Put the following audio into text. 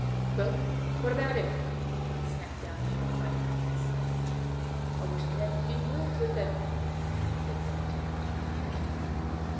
"Well? What about him?" snapped our new acquaintance. "I wished to have a few words with him," said Badger.